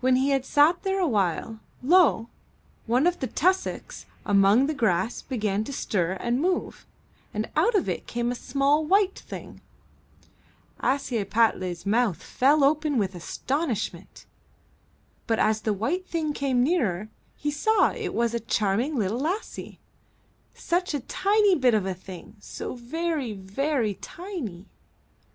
When he had sat there a while, lo! one of the tus socks among the grass began to stir and move, and out of it came a small white thing. Ashiepattle^s mouth fell open with astonishment. But as the white thing came nearer, he saw it was a charming little lassie, such a tiny bit of a thing, so very, very tiny.